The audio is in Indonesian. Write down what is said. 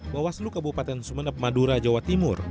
bawaslu kabupaten sumeneb madura jawa timur